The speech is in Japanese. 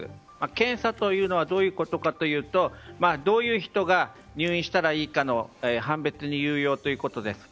検査というのはどういうことかというとどういう人が入院したらいいかの判別に有用ということです。